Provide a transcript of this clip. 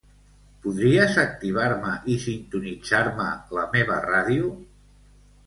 Podries activar-me i sintonitzar-me la meva ràdio?